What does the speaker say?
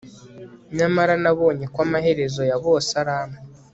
nyamara nabonye ko amaherezo ya bose ari amwe